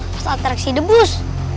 pas atraksi debus